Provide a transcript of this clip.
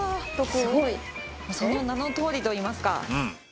すごいその名のとおりといいますか。